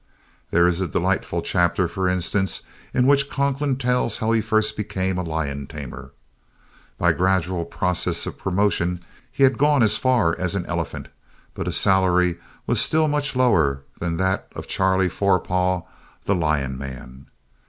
There is a delightful chapter, for instance, in which Conklin tells how he first became a lion tamer. By gradual process of promotion he had gone as far as an elephant, but his salary was still much lower than that of Charlie Forepaugh, the lion man.